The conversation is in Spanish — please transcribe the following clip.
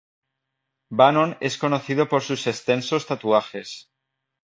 Bannon es conocido por sus extensos tatuajes.